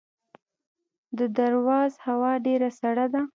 د درواز هوا ډیره سړه ده